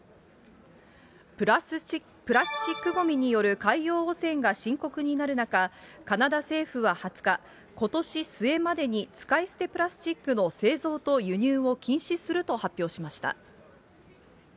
プラスチックごみによる海洋汚染が深刻になる中、カナダ政府は２０日、ことし末までに使い捨てプラスチックの製造と輸入を禁止すると発表しました。